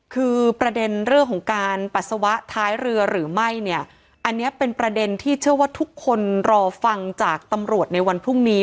คือประเด็นเรื่องของการปัสสาวะท้ายเรือหรือไม่เนี่ยอันนี้เป็นประเด็นที่เชื่อว่าทุกคนรอฟังจากตำรวจในวันพรุ่งนี้